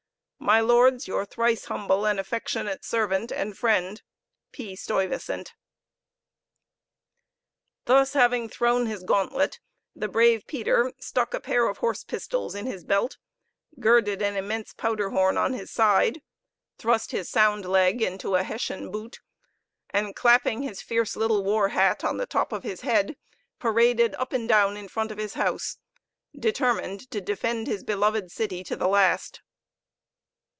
My lords, your thrice humble and affectionate servant and friend, "P. STUYVESANT." Thus having thrown his gauntlet, the brave Peter stuck a pair of horse pistols in his belt, girded an immense powder horn on his side, thrust his sound leg into a Hessian boot, and clapping his fierce little war hat on the top of his head, paraded up and down in front of his house, determined to defend his beloved city to the last.